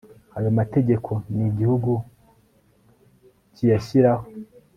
ayo mategeko n igihugu cy'iyashyiraho